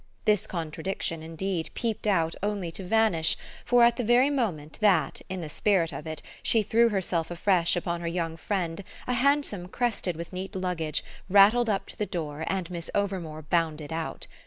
This contradiction indeed peeped out only to vanish, for at the very moment that, in the spirit of it, she threw herself afresh upon her young friend a hansom crested with neat luggage rattled up to the door and Miss Overmore bounded out.